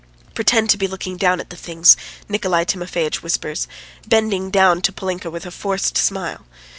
"Pretend to be looking at the things," Nikolay Timofeitch whispers, bending down to Polinka with a forced smile.